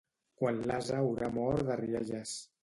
Quan l'ase haurà mort de rialles.